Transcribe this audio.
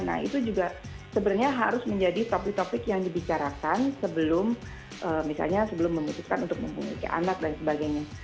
nah itu juga sebenarnya harus menjadi topik topik yang dibicarakan sebelum misalnya sebelum memutuskan untuk memiliki anak dan sebagainya